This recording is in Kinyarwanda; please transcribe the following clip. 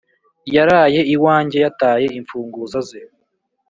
Yaraye iwanjye yataye imfunguzo ze